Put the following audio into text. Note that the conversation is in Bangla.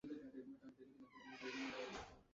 এটা তাহলে নিজের কাছেই রেখে দিই।